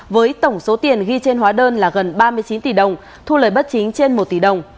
với tổng số tiền ghi trên hóa đơn là gần ba mươi chín tỷ đồng thu lời bất chính trên một tỷ đồng